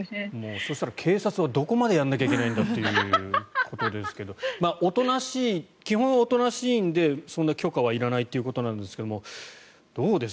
そうしたら警察はどこまでやらなきゃいけないんだっていうことですが基本、おとなしいのでそんな許可はいらないということなんですがどうです？